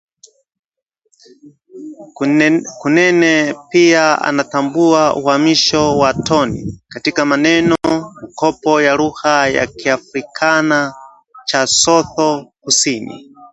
Kunene pia anatambua uhamisho wa toni katika maneno-mkopo ya lugha ya Kiafrikaana cha Sotho Kusini